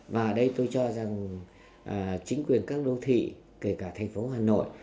và đây tôi cho rằng chính quyền các đô thị kể cả thành phố hà nội